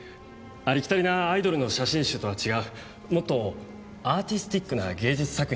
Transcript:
ありきたりなアイドルの写真集とは違うもっとアーティスティックな芸術作品に仕上げようと思って。